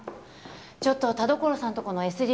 ちょっと田所さんとこのＳＤ